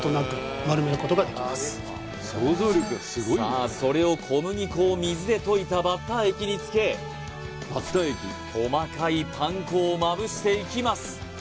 さあそれを小麦粉を水で溶いたバッター液につけ細かいパン粉をまぶしていきます